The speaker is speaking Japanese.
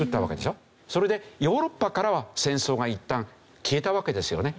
それでヨーロッパからは戦争がいったん消えたわけですよね。